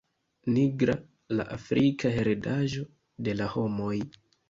Nigra, la afrika heredaĵo de la homoj.